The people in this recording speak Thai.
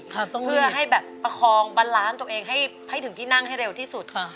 เพื่อให้แบบประคองบันล้านตัวเองให้ให้ถึงที่นั่งให้เร็วที่สุดค่ะ